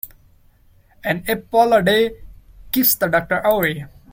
An apple a day, keeps the doctor away.